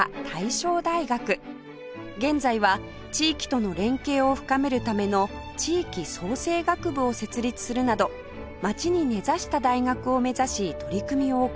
現在は地域との連携を深めるための地域創生学部を設立するなど街に根ざした大学を目指し取り組みを行っています